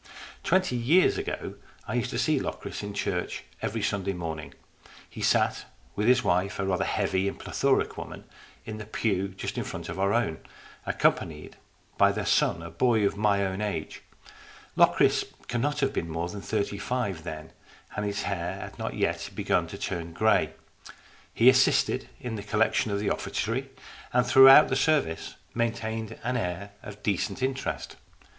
Twenty years ago I used to see Locris in church every Sunday morning. He sat with his wife, a rather heavy and plethoric woman, in the pew just in front of our own, accompanied by their son, a boy of my own age. Locris cannot have been more than thirty five then, and his hair had not yet begun to turn grey. He assisted in the collection of the offertory, and throughout the service maintained an air of decent interest.